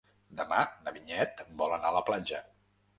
Demà na Vinyet vol anar a la platja.